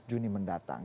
tiga belas juni mendatang